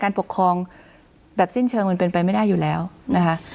คุณปริณาค่ะหลังจากนี้จะเกิดอะไรขึ้นอีกได้บ้าง